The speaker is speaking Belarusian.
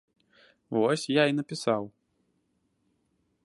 Вось я і напісаў.